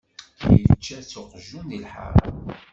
Ičča-t uqjun di lḥara.